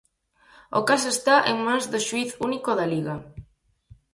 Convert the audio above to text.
O caso está en mans do xuíz único da Liga.